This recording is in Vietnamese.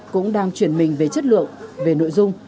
cũng đang chuyển mình về chất lượng về nội dung